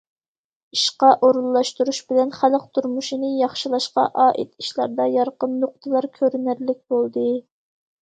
ئىشقا ئورۇنلاشتۇرۇش بىلەن خەلق تۇرمۇشىنى ياخشىلاشقا ئائىت ئىشلاردا يارقىن نۇقتىلار كۆرۈنەرلىك بولدى.